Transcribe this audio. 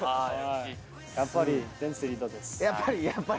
やっぱり？